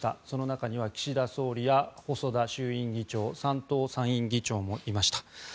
その中には岸田総理や細田衆院議長山東参院議長もいました。